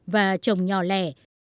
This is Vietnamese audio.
và trồng nhỏ lẻ